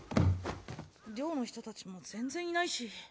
寮の人たちも全然いないし。